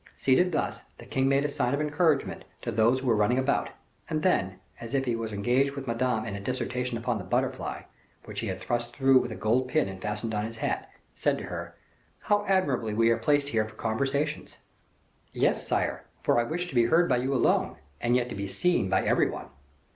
Seated thus, the king made a sign of encouragement to those who were running about; and then, as if he were engaged with Madame in a dissertation upon the butterfly, which he had thrust through with a gold pin and fastened on his hat, said to her, "How admirably we are placed here for conversations." "Yes, sire, for I wished to be heard by you alone, and yet to be seen by every one."